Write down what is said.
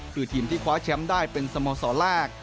คือทีมที่คว้าแชมป์ได้เป็นสโมสรแรก